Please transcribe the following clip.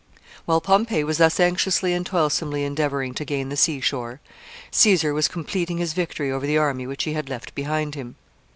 ] While Pompey was thus anxiously and toilsomely endeavoring to gain the sea shore, Caesar was completing his victory over the army which he had left behind him.